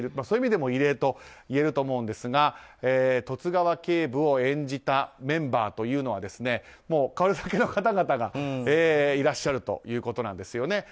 そういう意味でも異例といえると思うんですが十津川警部を演じたメンバーというのはこれだけの方々がいらっしゃるということです。